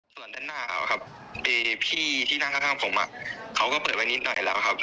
ส่วนด้านหน้าเขาครับพี่ที่นั่งข้างผมเขาก็เปิดไว้นิดหน่อยแล้วครับ